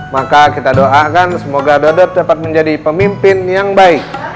maka kita doakan semoga dodot dapat menjadi pemimpin yang baik dan baik ya dodot